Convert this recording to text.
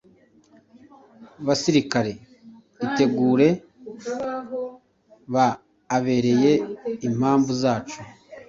Basirikare, itegure! Ba abereye impamvu zacu: